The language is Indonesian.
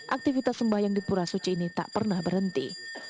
aktivitas sembahyang di pura suci ini tak pernah berhenti